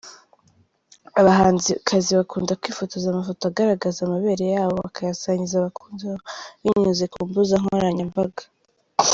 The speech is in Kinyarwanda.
Abahanzikazi bakunda kwifotoza amafoto agaragaza amabere yabo bakayasangiza abakunzi babo binyuze ku mbuga nkoranyambaga.